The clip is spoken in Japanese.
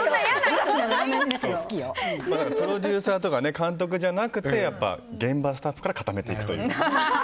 プロデューサーとか監督じゃなくて現場スタッフから固めていくという。